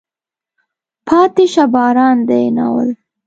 پاتې شه باران دی. ناول